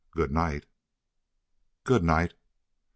Good night." "Good night."